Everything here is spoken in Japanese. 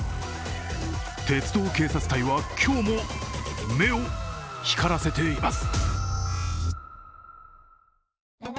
鉄道警察隊は今日も目を光らせています。